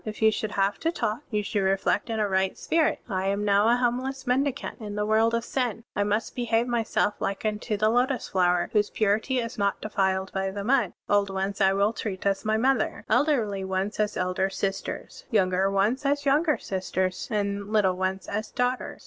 [If you should have to talk], you should reflect in a right spirit: *I am now a homeless mendicant. In the world of sin, I must behave myself like unto »Matt. V, 28. Digitized by Google 1 6 SERMONS OF A BUDDHIST ABBOT the lotus flower whose ptirity is not defiled by the mud. Old ones I will treat as my mother; elderly ones as elder sisters; yotmger ones as younger sisters; and little ones as daughters.'